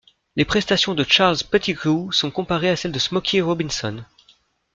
Les prestations de Charles Pettigrew sont comparées à celles de Smokey Robinson.